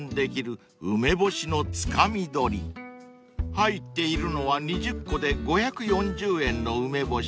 ［入っているのは２０個で５４０円の梅干し］